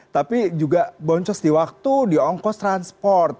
tapi juga boncos di waktu diongkos transport